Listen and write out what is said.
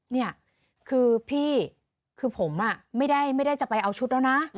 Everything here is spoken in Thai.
นี่คือพี่คือผมไม่ได้จะไปเอาชุดแล้วนะ